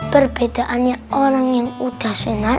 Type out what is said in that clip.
perbedaannya orang yang udah senat